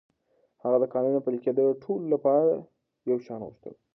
هغه د قانون پلي کېدل د ټولو لپاره يو شان غوښتل.